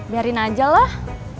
biarin aja lah